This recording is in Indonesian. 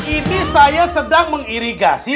ini saya sedang mengirigasi